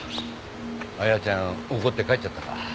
綾ちゃん怒って帰っちゃったか。